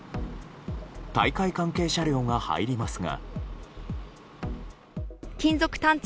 大会関係車両が入りますが。